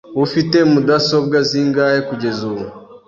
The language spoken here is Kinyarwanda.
Ufite mudasobwa zingahe kugeza ubu?